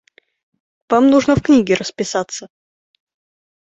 Вам нужно в книге расписаться.